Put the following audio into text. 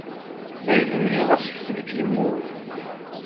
Aydi-nni ɣas ḥṣeb-it yemmut.